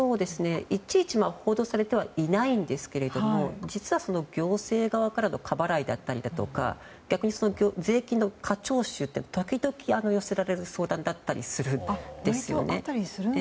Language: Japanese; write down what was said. いちいち報道されてはいないんですけども実は行政側からの過払いだったり逆に税金の過徴収というのは時々、寄せられる相談だったりするんですね。